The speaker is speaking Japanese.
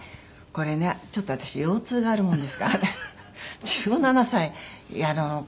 これねちょっと私腰痛があるものですからね１７歳やるの。